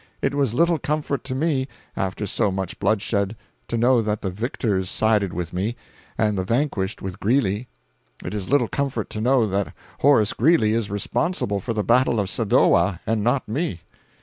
It was little comfort to me, after so much bloodshed, to know that the victors sided with me, and the vanquished with Greeley.—It is little comfort to know that Horace Greeley is responsible for the battle of Sadowa, and not me.